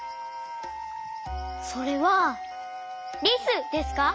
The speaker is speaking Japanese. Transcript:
それはリスですか？